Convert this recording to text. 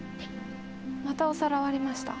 「またお皿割りました」